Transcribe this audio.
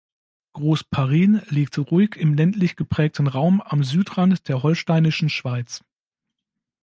Groß Parin liegt ruhig im ländlich geprägten Raum am Südrand der Holsteinischen Schweiz.